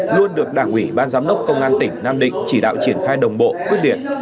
luôn được đảng ủy ban giám đốc công an tỉnh nam định chỉ đạo triển khai đồng bộ quyết liệt